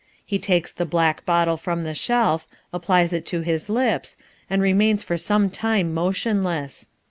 He takes the black bottle from the shelf, applies it to his lips, and remains for some time motionless.